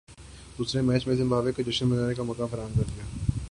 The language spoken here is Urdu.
دوسرے میچ میں زمبابوے کو جشن منانے کا موقع فراہم کردیا